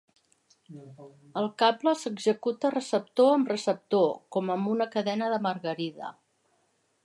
El cable s'executa receptor amb receptor com amb una cadena de margarida.